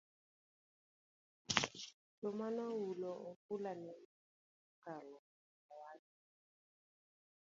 to manoluwo ofula nene okalo awacha